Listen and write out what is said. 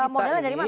modalnya dari mana